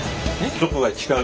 どこが違う？